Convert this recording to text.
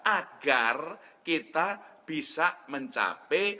agar kita bisa mencapai